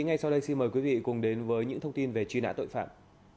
ngay sau đây xin mời quý vị cùng đến với những thông tin về truy nã tội phạm